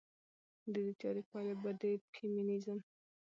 د دې چارې پايلې به د فيمينزم